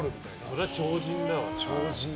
それは超人だわな。